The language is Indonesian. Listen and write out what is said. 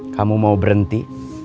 kamu mau berhenti